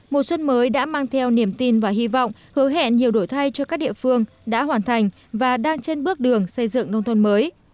mùa xuân mới đã mang theo niềm tin và hy vọng hứa hẹn nhiều đổi thay cho các địa phương đã hoàn thành và đang trên bước đường xây dựng nông thôn mới